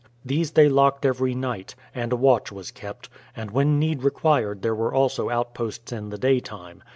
These they locked every night, and a watch was kept, and when need required there were also outposts in the day time.